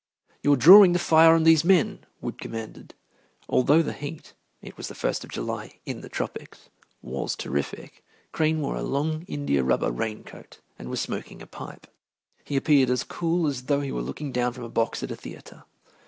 "You're drawing the fire on these men," Wood commanded. Although the heat it was the 1st of July in the tropics was terrific, Crane wore a long India rubber rain coat and was smoking a pipe. He appeared as cool as though he were looking down from a box at a theatre.